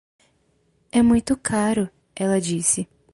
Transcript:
É muito caro, ela disse.